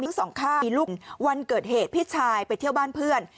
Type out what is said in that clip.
ทั้งสองข้างมีลูกวันเกิดเหตุพี่ชายไปเที่ยวบ้านเพื่อน